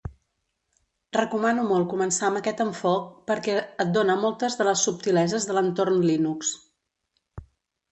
Recomano molt començar amb aquest enfoc perquè et dona moltes de les subtileses de l'entorn Linux.